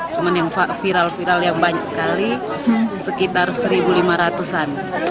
cuman yang viral viral yang banyak sekali sekitar seribu lima ratusan